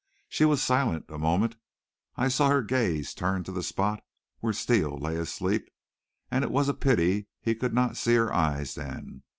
She was silent a moment. I saw her gaze turn to the spot where Steele lay asleep, and it was a pity he could not see her eyes then.